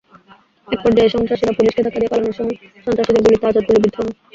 একপর্যায়ে সন্ত্রাসীরা পুলিশকে ধাক্কা দিয়ে পালানোর সময় সন্ত্রাসীদের গুলিতে আজাদ গুলিবিদ্ধ হন।